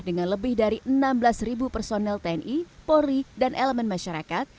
dengan lebih dari enam belas personel tni polri dan elemen masyarakat